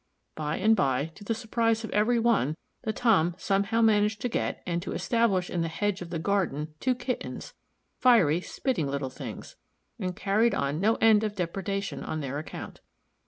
By and by, to the surprise of every one, the Tom somehow managed to get, and to establish in the hedge of the garden, two kittens, fiery, spitting little things, and carried on no end of depredation on their account.